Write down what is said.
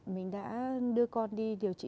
mình đã đưa con đi điều trị